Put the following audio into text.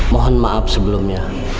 mohon maaf sebelumnya